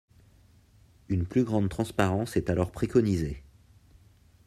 Une plus grande transparence est alors préconisée.